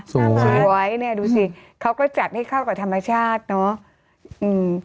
น่ารักสวยเนี่ยดูสิเขาก็จัดให้เข้ากับธรรมชาติเนอะอืม